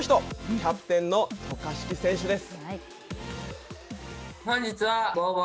キャプテンの渡嘉敷選手です。